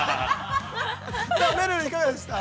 めるるいかがでしたか？